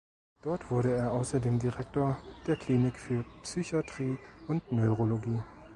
Dort wurde er außerdem Direktor der Klinik für Psychiatrie und Neurologie.